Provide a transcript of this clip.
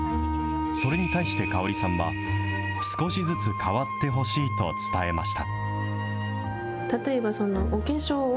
それに対して香織さんは、少しずつ変わってほしいと伝えました。